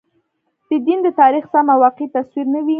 د دین د تاریخ سم او واقعي تصویر نه وي.